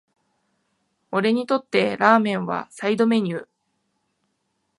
俺にとってラーメンはサイドメニュー